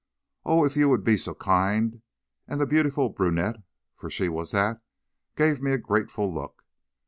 "Oh, if you would be so kind," and the beautiful brunette, for she was that, gave me a grateful look.